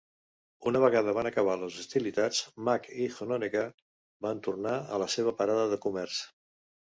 Una vegada van acabar les hostilitats, Mack i Hononegah van tornar a la seva parada de comerç.